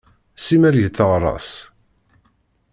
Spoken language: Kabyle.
Simmal yetteɣṛas.